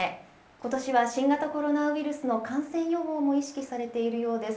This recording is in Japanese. ことしは新型コロナウイルスの感染予防も意識されているようです。